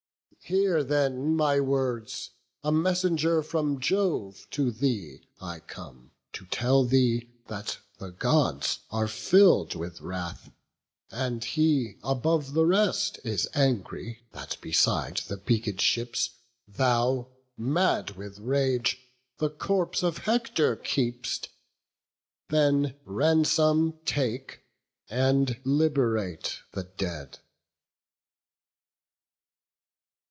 Hear then my words; a messenger from Jove To thee I come, to tell thee that the Gods Are fill'd with wrath, and he above the rest Is angry, that beside the beaked ships Thou, mad with rage, the corpse of Hector keep'st. Then ransom take, and liberate the dead."